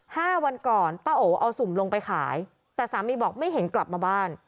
ห้าวันก่อนป้าโอเอาสุ่มลงไปขายแต่สามีบอกไม่เห็นกลับมาบ้าน